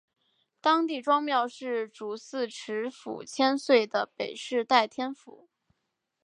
当地庄庙是主祀池府千岁的北势代天府。